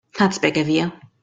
That's big of you.